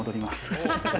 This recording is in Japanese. ハハハハ！